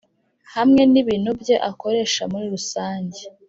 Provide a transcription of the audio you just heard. hamwe n’ibintu bye akoresha muri rusange.